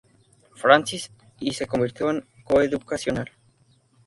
Francis y se convirtió en coeducacional.